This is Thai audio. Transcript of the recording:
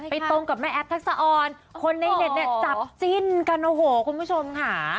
ตรงกับแม่แอฟทักษะออนคนในเน็ตเนี่ยจับจิ้นกันโอ้โหคุณผู้ชมค่ะ